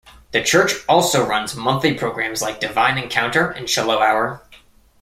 The church also runs monthly programmes like Divine Encounter and Shiloh Hour.